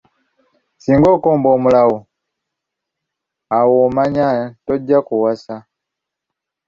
Singa okomba omulawo awo omanya tojja kuwasa.